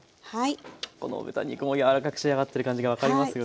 この豚肉も柔らかく仕上がってる感じが分かりますよね。